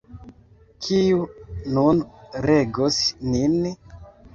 Kiu nun regos nin?